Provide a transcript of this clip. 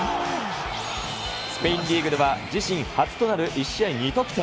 スペインリーグでは、自身初となる１試合２得点。